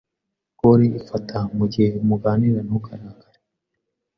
Kole ifata mugihe muganira ntukarakare